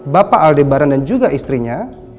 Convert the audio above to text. bapak aldebaran dan juga istrinya